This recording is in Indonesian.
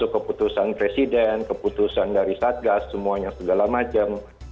keputusan presiden keputusan dari satgas semuanya segala macam